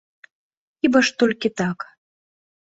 Хіба ж толькі так.